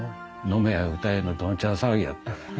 飲めや歌えのどんちゃん騒ぎやった。